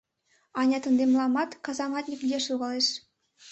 Анят, ынде мыламат казаматньык лияш логалеш?